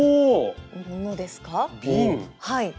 はい。